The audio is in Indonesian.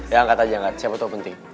ya angkat aja angkat siapa tuh yang penting